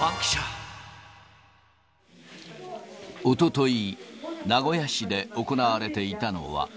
おととい、名古屋市で行われていたのは。